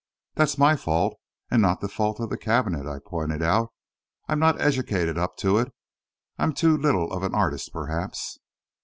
"That's my fault and not the fault of the cabinet," I pointed out. "I'm not educated up to it; I'm too little of an artist, perhaps."